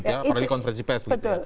apalagi konferensi pes